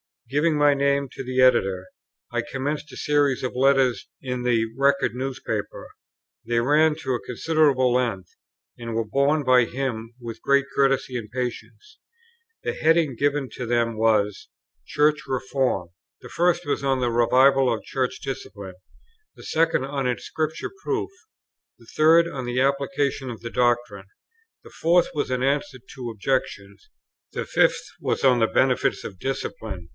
Giving my name to the Editor, I commenced a series of letters in the Record Newspaper: they ran to a considerable length; and were borne by him with great courtesy and patience. The heading given to them was, "Church Reform." The first was on the revival of Church Discipline; the second, on its Scripture proof; the third, on the application of the doctrine; the fourth was an answer to objections; the fifth was on the benefits of discipline.